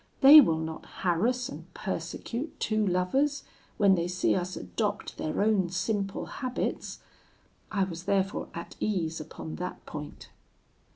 They will not harass and persecute two lovers, when they see us adopt their own simple habits.' I was therefore at ease upon that point.